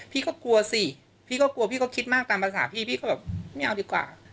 พี่ก็กลัวสิพี่ก็กลัวพี่ก็คิดมากตามภาษาพี่พี่ก็แบบไม่เอาดีกว่า